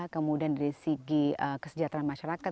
kemudian dari segi kesejahteraan masyarakat